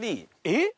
えっ？